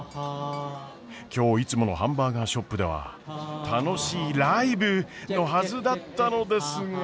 今日いつものハンバーガーショップでは楽しいライブのはずだったのですが。